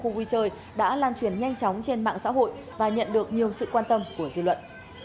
khu vui chơi đã lan truyền nhanh chóng trên mạng xã hội và nhận được nhiều sự quan tâm của dư luận